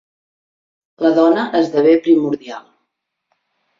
La dona esdevé primordial.